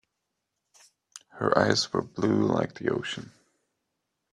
Her eyes were blue like the ocean.